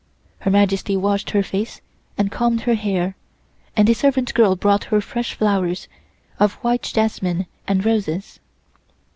Her Majesty washed her face and combed her hair, and a servant girl brought her fresh flowers, of white jasmine and roses.